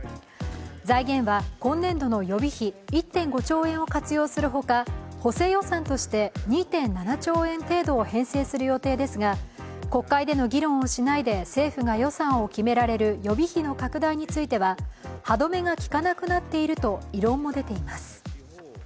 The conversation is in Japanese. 財源は今年度の予備費１．５兆円を活用するほか、補正予算として２．７兆円程度を編成する予定ですが、国会での議論をしないで政府が予算を決められる予備費の拡大については歯止めがきかなくなっていると異論も出ています。